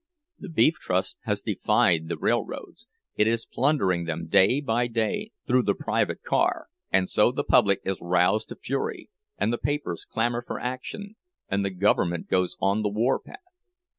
The Beef Trust has defied the railroads—it is plundering them day by day through the Private Car; and so the public is roused to fury, and the papers clamor for action, and the government goes on the war path!